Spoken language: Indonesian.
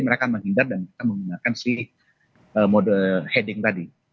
mereka menghindar dan kita menggunakan si mode heading tadi